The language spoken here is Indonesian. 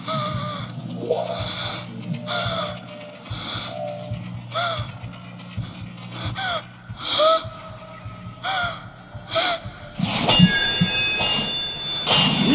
aku akan mencari